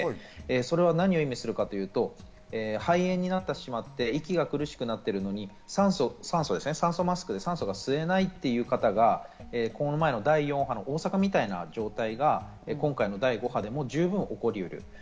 何を意味するかというと、肺炎になってしまって、息が苦しくなっているのに酸素マスクで酸素が吸えないという方が、この前の第４波の大阪みたいなことが今回の第５波でも十分起こりうる。